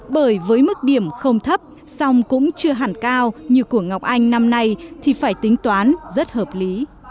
bởi với mức điểm không thấp song cũng chưa hẳn cao như của ngọc anh năm nay thì phải tính toán rất hợp lý